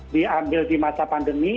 diambil di masa pandemi